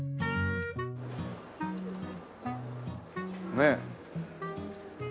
ねえ。